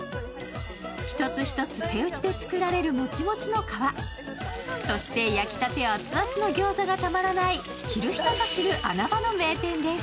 １つ１つ手打ちで作られるもちもちの皮、そして焼きたて熱々の餃子がたまらない知る人ぞ知る穴場の名店です。